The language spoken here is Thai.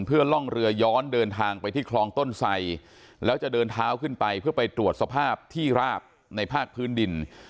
เพื่อล่องเรือย้อนเดินทางไปที่คลองต้นไสแล้วจะเดินเท้าขึ้นไปเพื่อไปตรวจสภาพที่ราบในภาคพื้นดิน